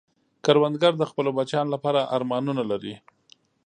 کروندګر د خپلو بچیانو لپاره ارمانونه لري